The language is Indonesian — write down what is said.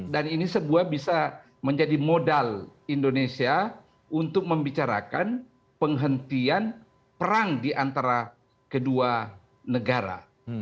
dan ini sebuah bisa menjadi modal indonesia untuk membicarakan penghentian perang diantara kedua negara